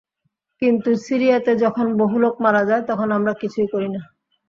কিন্তু সিরিয়াতে যখন বহু লোক মারা যায়, তখন আমরা কিছুই করি না।